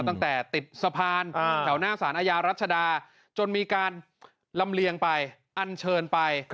ตั้งแต่ติดสะพานแถวหน้าสารอาญารัชดาจนมีการลำเลียงไปอันเชิญไป